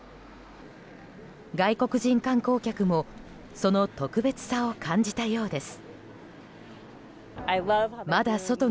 外国人観光客もその特別さを感じたようです。